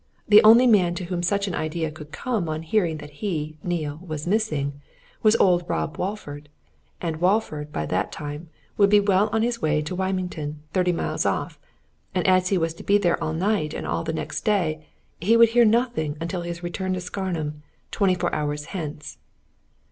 The only man to whom such an idea could come on hearing that he, Neale, was missing, was old Rob Walford and Walford, by that time, would be well on his way to Wymington, thirty miles off, and as he was to be there all night, and all next day, he would hear nothing until his return to Scarnham, twenty four hours hence.